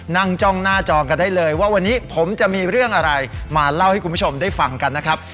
จ้องหน้าจอกันได้เลยว่าวันนี้ผมจะมีเรื่องอะไรมาเล่าให้คุณผู้ชมได้ฟังกันนะครับ